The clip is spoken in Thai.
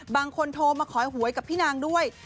บางคนโทรมาขอให้หวยกับพี่นางด้วย